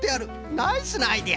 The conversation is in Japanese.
ナイスなアイデアじゃ！